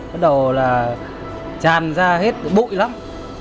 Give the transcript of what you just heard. bắt đầu là tràn ra hết bụi lắm